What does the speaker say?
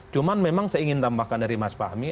cuman memang saya ingin tambahkan dari mas fahmi